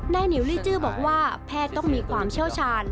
หนิวลิจื้อบอกว่าแพทย์ต้องมีความเชี่ยวชาญ